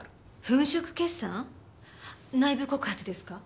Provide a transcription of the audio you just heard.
粉飾決算？内部告発ですか？